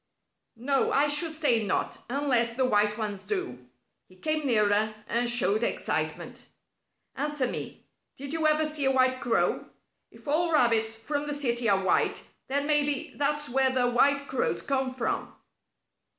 "No, I should say not unless the white ones do." He came nearer and showed excitement. "Answer me. Did you ever see a white crow? If all rabbits from the city are white, then maybe that's where the white crows come from."